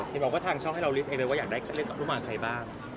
พี่หมอว่าทางช่องให้เราลิสต์ไงเลยว่าอยากได้เลือกกับผู้หมาใครบ้าง